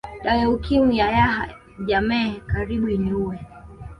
Dawa ya Ukimwi ya Yahya Jammeh karibu iniue